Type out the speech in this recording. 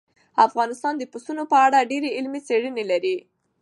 افغانستان د پسونو په اړه ډېرې علمي څېړنې لري.